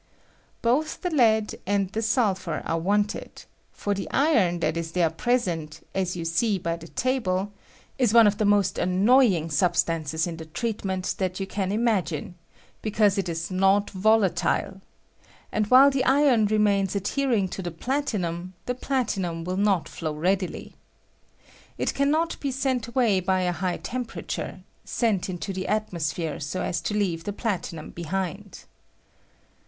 t 200 VOLTAIC Ft'SION OF PLATLNtTM. Both tte lead and the sulphur are ■wanted ; for the iron that is there present, as you see by the table, ia one of the most annoying substances in the treatment that you can imagine, because it is not volatile ; and while the iron remains ad hering to the platinum, the platinum will not flow readily. It can not be sent away by a high temperature — sent into the atmosphere so as to leave the platinum behind.